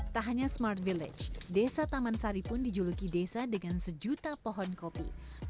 tak hanya smart village desa taman sari pun dijuluki desa dengan sejuta pohon kopi